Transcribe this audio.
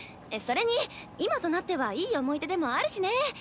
それに今となってはいい思い出でもあるしね。